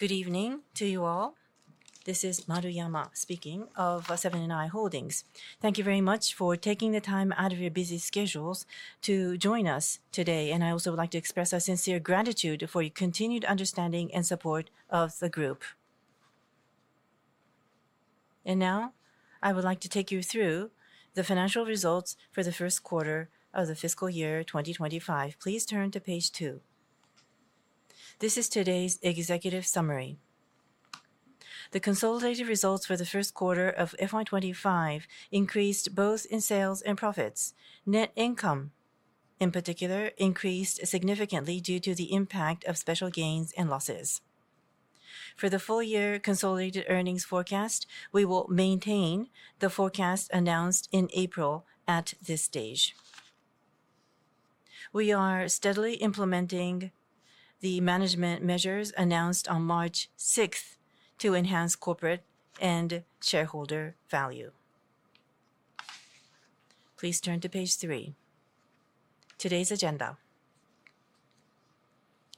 Good evening to you all. This is Maruyama speaking of Seven & i Holdings. Thank you very much for taking the time out of your busy schedules to join us today, and I also would like to express our sincere gratitude for your continued understanding and support of the group. Now, I would like to take you through the financial results for the first quarter of the fiscal year 2025. Please turn to page two. This is today's executive summary. The consolidated results for the first quarter of FY25 increased both in sales and profits. Net income, in particular, increased significantly due to the impact of special gains and losses. For the full-year consolidated earnings forecast, we will maintain the forecast announced in April at this stage. We are steadily implementing the management measures announced on March 6th to enhance corporate and shareholder value. Please turn to page three. Today's agenda.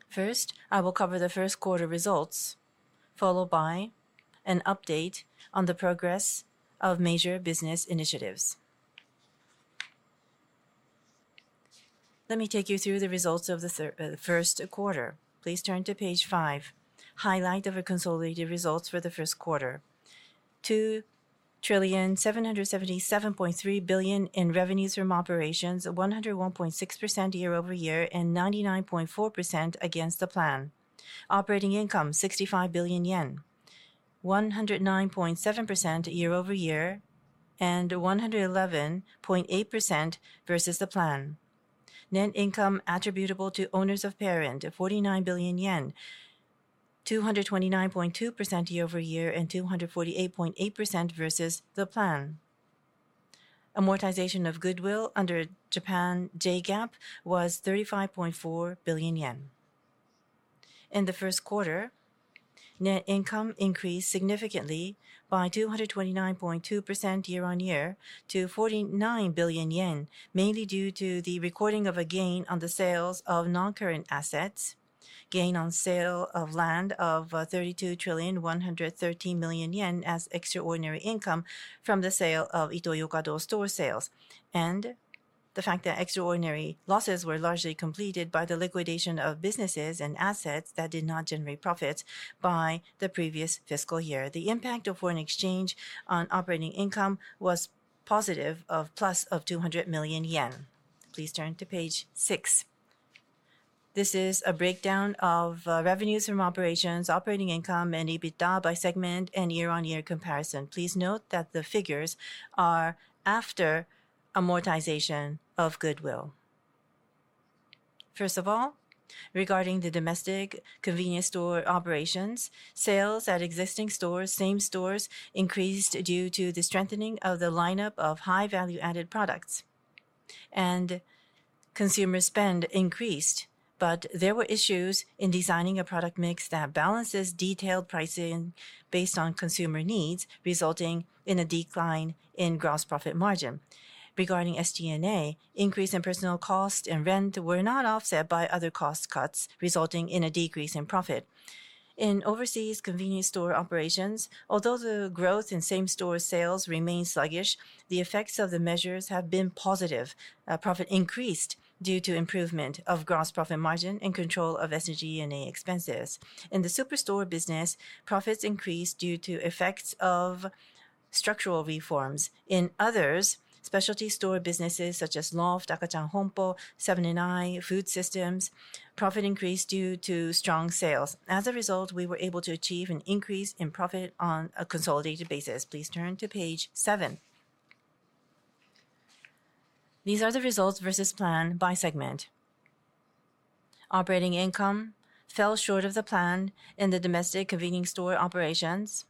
First, I will cover the first quarter results, followed by an update on the progress of major business initiatives. Let me take you through the results of the first quarter. Please turn to page five. Highlight of our consolidated results for the first quarter. 2,777.3 billion in revenues from operations, 101.6% year-over-year and 99.4% against the plan. Operating income, 65 billion yen. 109.7% year-over-year and 111.8% versus the plan. Net income attributable to owners of parent, 49 billion yen. 229.2% year-over-year and 248.8% versus the plan. Amortization of goodwill under Japan J-GAAP was 35.4 billion yen in the first quarter. Net income increased significantly by 229.2% year-on-year to 49 billion yen, mainly due to the recording of a gain on the sales of non-current assets, gain on sale of land of 32,113 million yen as extraordinary income from the sale of Ito-Yokado store sales, and the fact that extraordinary losses were largely completed by the liquidation of businesses and assets that did not generate profits by the previous fiscal year. The impact of foreign exchange on operating income was positive, of plus 200 million yen. Please turn to page six. This is a breakdown of revenues from operations, operating income, and EBITDA by segment and year-on-year comparison. Please note that the figures are after amortization of goodwill. First of all, regarding the domestic convenience store operations, sales at existing stores, same stores, increased due to the strengthening of the lineup of high-value-added products. And. Consumer spend increased, but there were issues in designing a product mix that balances detailed pricing based on consumer needs, resulting in a decline in gross profit margin. Regarding SG&A, increase in personnel cost and rent were not offset by other cost cuts, resulting in a decrease in profit. In overseas convenience store operations, although the growth in same-store sales remains sluggish, the effects of the measures have been positive. Profit increased due to improvement of gross profit margin and control of SG&A expenses. In the superstore business, profits increased due to effects of structural reforms. In others, specialty store businesses such as LOFT, Akachan Honpo, Seven & i Food Systems, profit increased due to strong sales. As a result, we were able to achieve an increase in profit on a consolidated basis. Please turn to page seven. These are the results versus plan by segment. Operating income fell short of the plan in the domestic convenience store operations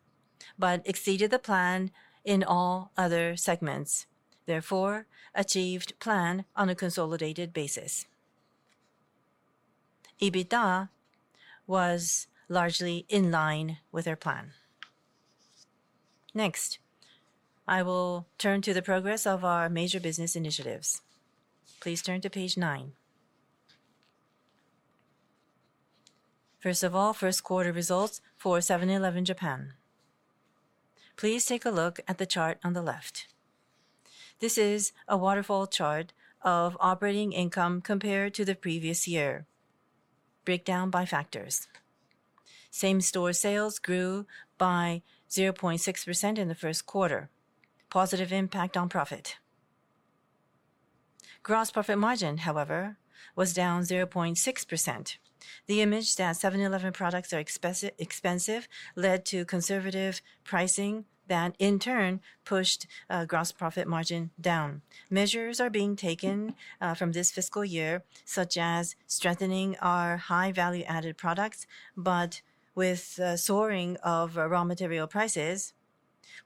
but exceeded the plan in all other segments. Therefore, achieved plan on a consolidated basis. EBITDA was largely in line with our plan. Next, I will turn to the progress of our major business initiatives. Please turn to page nine. First of all, first quarter results for 7-Eleven Japan. Please take a look at the chart on the left. This is a waterfall chart of operating income compared to the previous year. Breakdown by factors. Same-store sales grew by 0.6% in the first quarter, positive impact on profit. Gross profit margin, however, was down 0.6%. The image that 7-Eleven products are expensive led to conservative pricing that, in turn, pushed gross profit margin down. Measures are being taken from this fiscal year, such as strengthening our high-value-added products, but with soaring of raw material prices,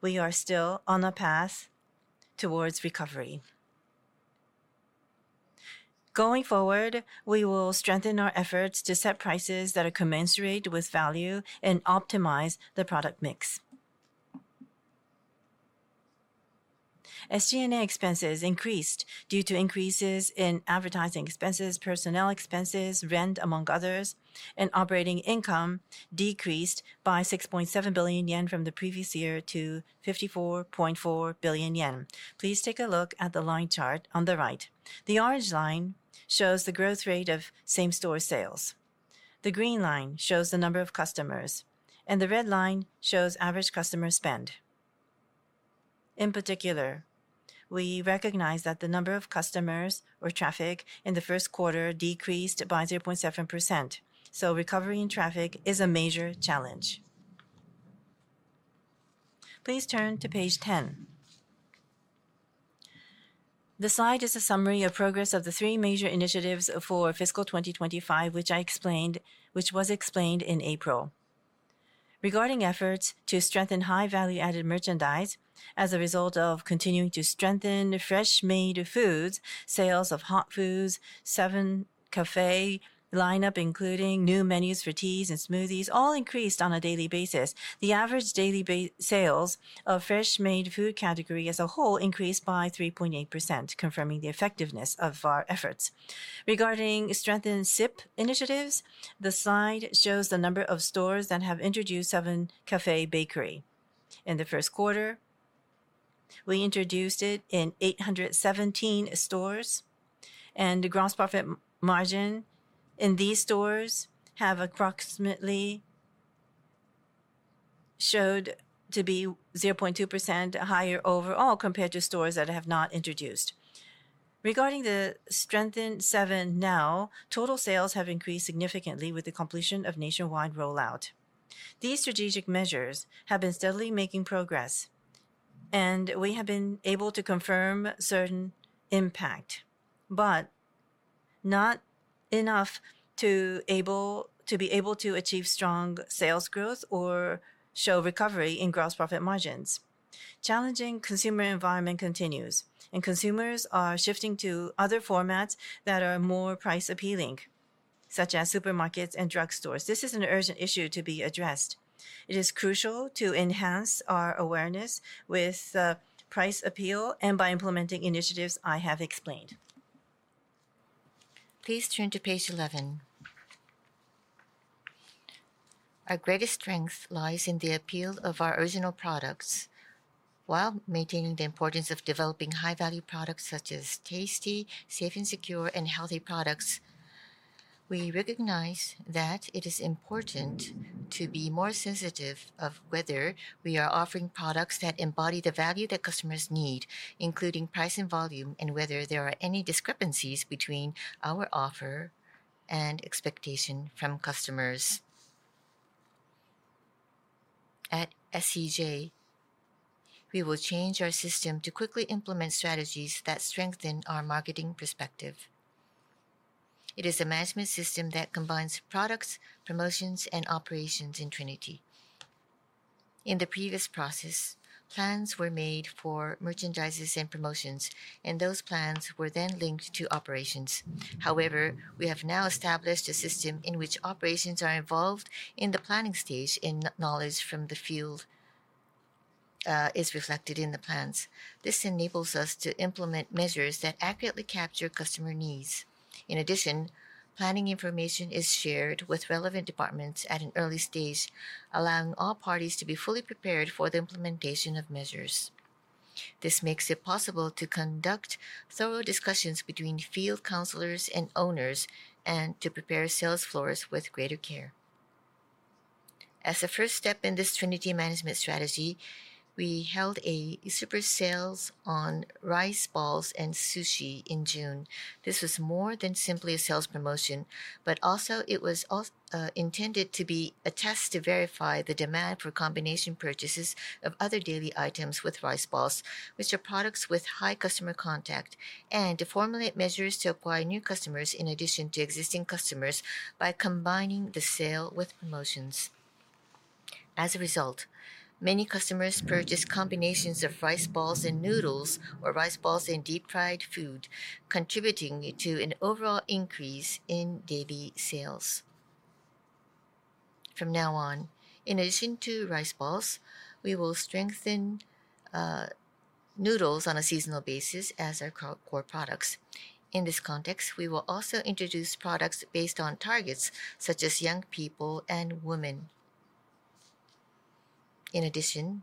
we are still on a path towards recovery. Going forward, we will strengthen our efforts to set prices that are commensurate with value and optimize the product mix. SG&A expenses increased due to increases in advertising expenses, personnel expenses, rent among others, and operating income decreased by 6.7 billion yen from the previous year to 54.4 billion yen. Please take a look at the line chart on the right. The orange line shows the growth rate of same-store sales. The green line shows the number of customers, and the red line shows average customer spend. In particular, we recognize that the number of customers or traffic in the first quarter decreased by 0.7%, so recovery in traffic is a major challenge. Please turn to page ten. The slide is a summary of progress of the three major initiatives for fiscal 2025, which was explained in April. Regarding efforts to strengthen high-value-added merchandise, as a result of continuing to strengthen fresh-made foods, sales of hot foods, Seven Café lineup, including new menus for teas and smoothies, all increased on a daily basis. The average daily sales of fresh-made food category as a whole increased by 3.8%, confirming the effectiveness of our efforts. Regarding strengthened SIP initiatives, the slide shows the number of stores that have introduced Seven Café bakery. In the first quarter, we introduced it in 817 stores, and the gross profit margin in these stores has approximately showed to be 0.2% higher overall compared to stores that have not introduced. Regarding the strengthened 7NOW, total sales have increased significantly with the completion of nationwide rollout. These strategic measures have been steadily making progress. We have been able to confirm certain impact, but not enough to be able to achieve strong sales growth or show recovery in gross profit margins. Challenging consumer environment continues, and consumers are shifting to other formats that are more price-appealing, such as supermarkets and drugstores. This is an urgent issue to be addressed. It is crucial to enhance our awareness with price appeal and by implementing initiatives I have explained. Please turn to page 11. Our greatest strength lies in the appeal of our original products. While maintaining the importance of developing high-value products such as tasty, safe, and secure, and healthy products, we recognize that it is important to be more sensitive of whether we are offering products that embody the value that customers need, including price and volume, and whether there are any discrepancies between our offer and expectation from customers. At SCJ. We will change our system to quickly implement strategies that strengthen our marketing perspective. It is a management system that combines products, promotions, and operations in Trinity. In the previous process, plans were made for merchandises and promotions, and those plans were then linked to operations. However, we have now established a system in which operations are involved in the planning stage, and knowledge from the field is reflected in the plans. This enables us to implement measures that accurately capture customer needs. In addition, planning information is shared with relevant departments at an early stage, allowing all parties to be fully prepared for the implementation of measures. This makes it possible to conduct thorough discussions between field counselors and owners and to prepare sales floors with greater care. As a first step in this Trinity management strategy, we held a super sales on rice balls and sushi in June. This was more than simply a sales promotion, but also it was intended to be a test to verify the demand for combination purchases of other daily items with rice balls, which are products with high customer contact, and to formulate measures to acquire new customers in addition to existing customers by combining the sale with promotions. As a result, many customers purchased combinations of rice balls and noodles or rice balls and deep-fried food, contributing to an overall increase in daily sales. From now on, in addition to rice balls, we will strengthen noodles on a seasonal basis as our core products. In this context, we will also introduce products based on targets such as young people and women. In addition,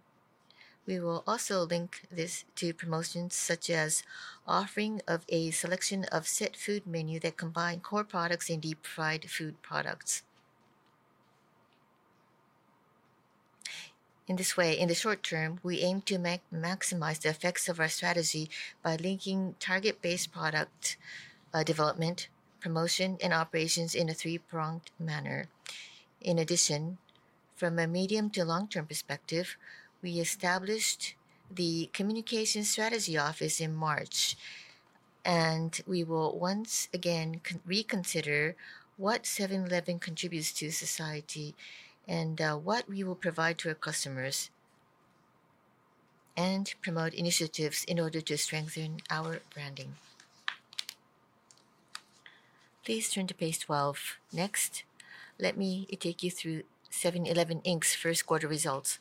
we will also link this to promotions such as offering a selection of set food menus that combine core products and deep-fried food products. In this way, in the short term, we aim to maximize the effects of our strategy by linking target-based product development, promotion, and operations in a three-pronged manner. In addition, from a medium to long-term perspective, we established the communication strategy office in March, and we will once again reconsider what Seven & i Holdings contributes to society and what we will provide to our customers. We promote initiatives in order to strengthen our branding. Please turn to page 12. Next, let me take you through 7-Eleven Inc's first quarter results.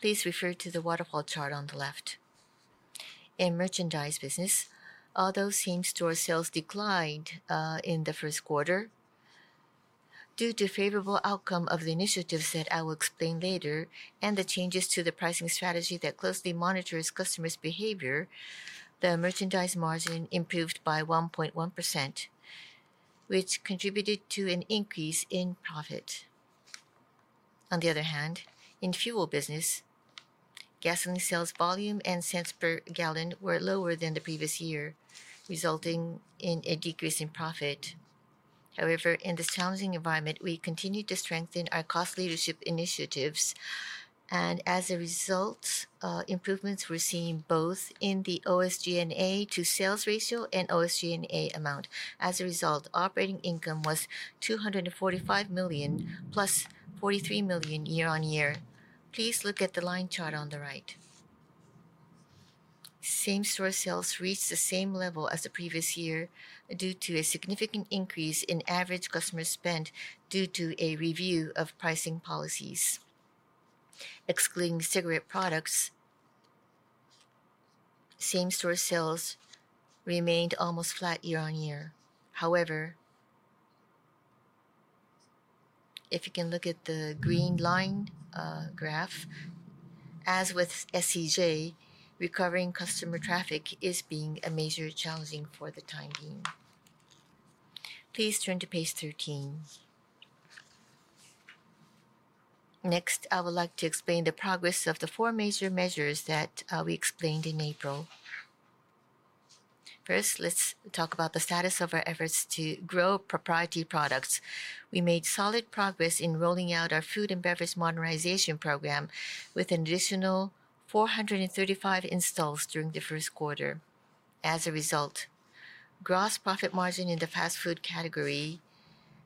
Please refer to the waterfall chart on the left. In merchandise business, although same-store sales declined in the first quarter, due to favorable outcomes of the initiatives that I will explain later and the changes to the pricing strategy that closely monitors customers' behavior, the merchandise margin improved by 1.1%. Which contributed to an increase in profit. On the other hand, in fuel business, gasoline sales volume and cents per gallon were lower than the previous year, resulting in a decrease in profit. However, in this challenging environment, we continued to strengthen our cost leadership initiatives, and as a result, improvements were seen both in the OSG&A to sales ratio and OSG&A amount. As a result, operating income was $245 million plus $43 million year-on-year. Please look at the line chart on the right. Same-store sales reached the same level as the previous year due to a significant increase in average customer spend due to a review of pricing policies. Excluding cigarette products, same-store sales remained almost flat year-on-year. However, if you can look at the green line graph, as with SCJ, recovering customer traffic is being a major challenging for the time being. Please turn to page 13. Next, I would like to explain the progress of the four major measures that we explained in April. First, let's talk about the status of our efforts to grow proprietary products. We made solid progress in rolling out our food and beverage modernization program with an additional 435 installs during the first quarter. As a result, gross profit margin in the fast food category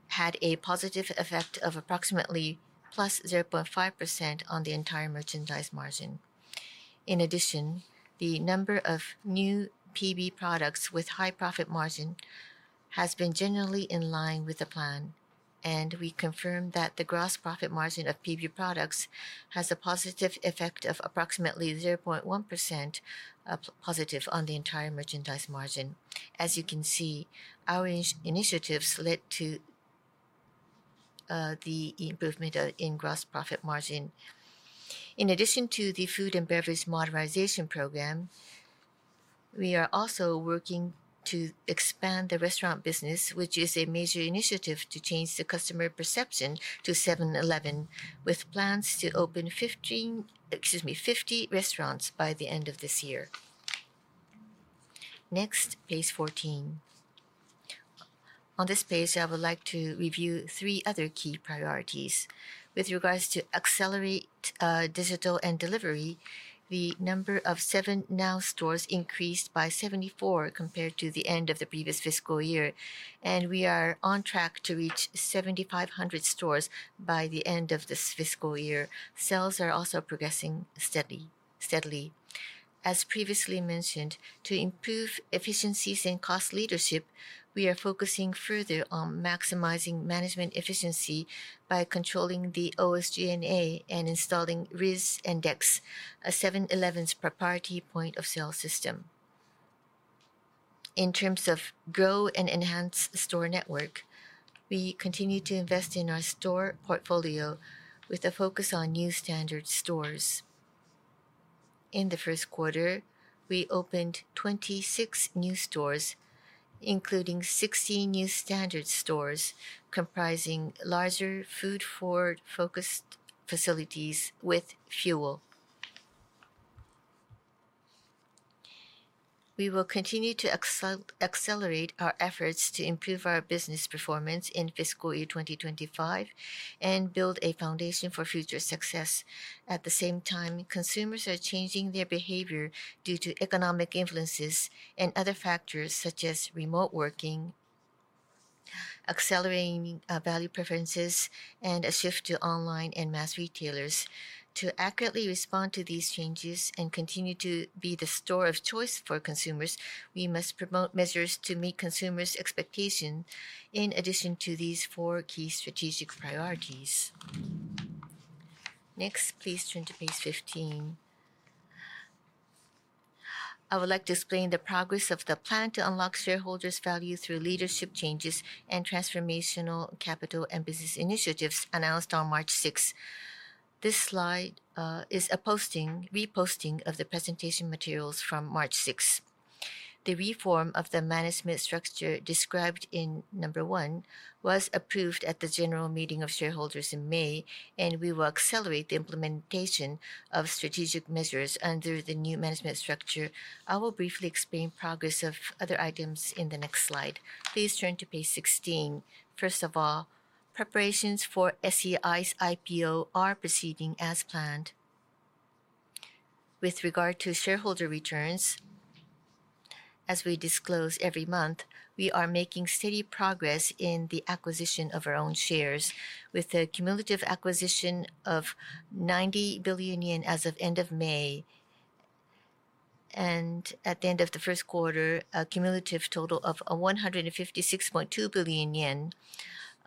had a positive effect of approximately +0.5% on the entire merchandise margin. In addition, the number of new PB products with high profit margin has been generally in line with the plan, and we confirm that the gross profit margin of PB products has a positive effect of approximately +0.1% on the entire merchandise margin. As you can see, our initiatives led to the improvement in gross profit margin in addition to the food and beverage modernization program. We are also working to expand the restaurant business, which is a major initiative to change the customer perception to 7-Eleven, with plans to open 50 restaurants by the end of this year. Next, page 14. On this page, I would like to review three other key priorities. With regards to accelerate digital and delivery, the number of 7Now stores increased by 74 compared to the end of the previous fiscal year, and we are on track to reach 7,500 stores by the end of this fiscal year. Sales are also progressing steadily. As previously mentioned, to improve efficiencies and cost leadership, we are focusing further on maximizing management efficiency by controlling the SG&A and installing RIS and DEX, a 7-Eleven proprietary point of sale system. In terms of grow and enhance store network, we continue to invest in our store portfolio with a focus on new standard stores. In the first quarter, we opened 26 new stores, including 16 new standard stores comprising larger food-focused facilities with fuel. We will continue to accelerate our efforts to improve our business performance in fiscal year 2025 and build a foundation for future success. At the same time, consumers are changing their behavior due to economic influences and other factors such as remote working, accelerating value preferences, and a shift to online and mass retailers. To accurately respond to these changes and continue to be the store of choice for consumers, we must promote measures to meet consumers' expectations in addition to these four key strategic priorities. Next, please turn to page 15. I would like to explain the progress of the plan to unlock shareholders' value through leadership changes and transformational capital and business initiatives announced on March 6. This slide is a reposting of the presentation materials from March 6. The reform of the management structure described in number one was approved at the general meeting of shareholders in May, and we will accelerate the implementation of strategic measures under the new management structure. I will briefly explain progress of other items in the next slide. Please turn to page 16. First of all, preparations for SCI's IPO are proceeding as planned. With regard to shareholder returns. As we disclose every month, we are making steady progress in the acquisition of our own shares, with a cumulative acquisition of 90 billion yen as of end of May. At the end of the first quarter, a cumulative total of 156.2 billion yen.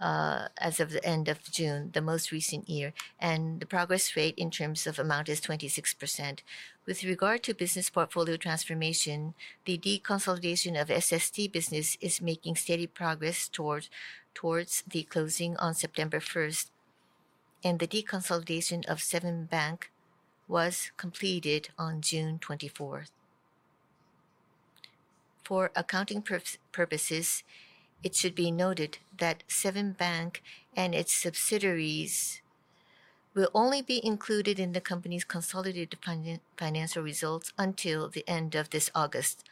As of the end of June, the most recent year. The progress rate in terms of amount is 26%. With regard to business portfolio transformation, the deconsolidation of SST business is making steady progress towards the closing on September 1st. The deconsolidation of Seven Bank was completed on June 24. For accounting purposes, it should be noted that Seven Bank and its subsidiaries will only be included in the company's consolidated financial results until the end of this August.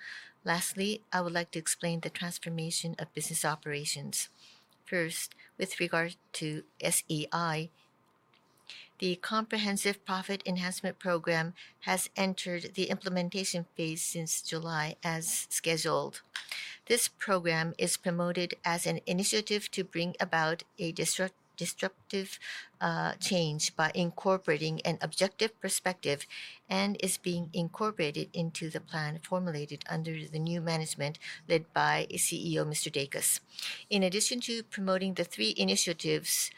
Lastly, I would like to explain the transformation of business operations. First, with regard to SEI. The comprehensive profit enhancement program has entered the implementation phase since July as scheduled. This program is promoted as an initiative to bring about a disruptive. Change by incorporating an objective perspective and is being incorporated into the plan formulated under the new management led by CEO Mr. Dacus. In addition to promoting the three initiatives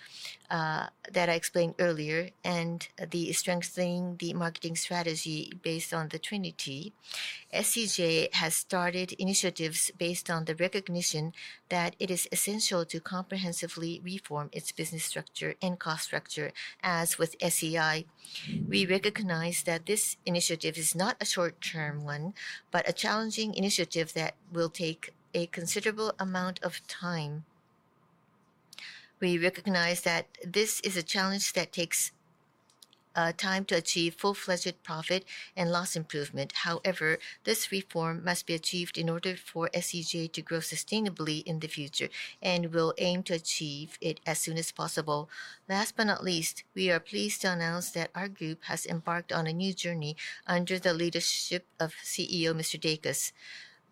that I explained earlier and strengthening the marketing strategy based on the Trinity, SCJ has started initiatives based on the recognition that it is essential to comprehensively reform its business structure and cost structure. As with SEI, we recognize that this initiative is not a short-term one, but a challenging initiative that will take a considerable amount of time. We recognize that this is a challenge that takes time to achieve full-fledged profit and loss improvement. However, this reform must be achieved in order for SCJ to grow sustainably in the future and will aim to achieve it as soon as possible. Last but not least, we are pleased to announce that our group has embarked on a new journey under the leadership of CEO Mr. Dacus.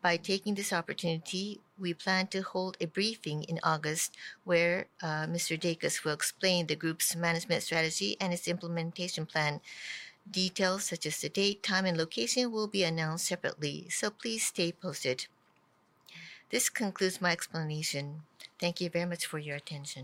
By taking this opportunity, we plan to hold a briefing in August where Mr. Dacus will explain the group's management strategy and its implementation plan. Details such as the date, time, and location will be announced separately. Please stay posted. This concludes my explanation. Thank you very much for your attention.